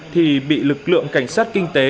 thì bị lực lượng cảnh sát kinh tế